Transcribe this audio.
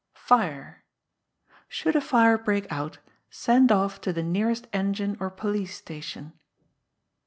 Fire! Should a Fire break out, send off to the nearest engine or police station.